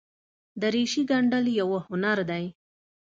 دریشي ګنډل یوه هنر دی.